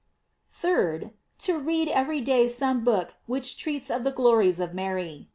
3d. To read every day some book which treats of the glories of Mary.